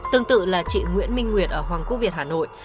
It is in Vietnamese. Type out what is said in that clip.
tương tự là chị nguyễn minh nguyệt ở hoàng quốc việt hà nội